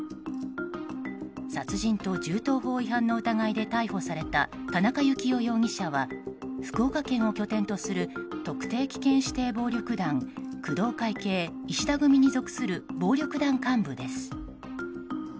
殺人と銃刀法違反の疑いで逮捕された田中幸雄容疑者は福岡県を拠点とする特定危険指定暴力団工藤会系の石田組に所属する暴力団幹部です。